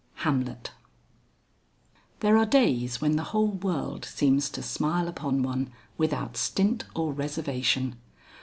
HAMLET. There are days when the whole world seems to smile upon one without stint or reservation.